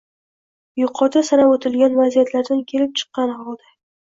Yuqorida sanab o‘tilgan vaziyatlardan kelib chiqqan holda